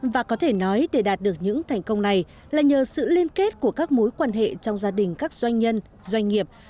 và có thể nói để đạt được những thành công này là nhờ sự liên kết của các mối quan hệ trong gia đình các doanh nhân doanh nghiệp